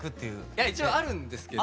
いや一応あるんですけど。